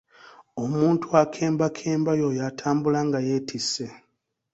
Omuntu akembakemba y’oyo atambula nga yeetisse.